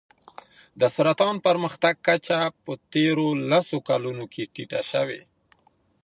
د سرطان پرمختګ کچه په تېرو لسو کلونو کې ټیټه شوې.